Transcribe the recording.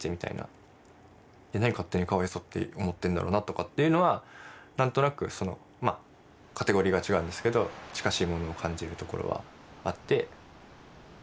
何勝手にかわいそうって思ってるんだろうなとかっていうのは何となくまあカテゴリーが違うんですけど近しいものを感じるところはあって。